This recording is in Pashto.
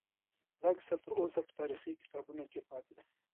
دا کیسه تر اوسه په تاریخي کتابونو کې پاتې ده.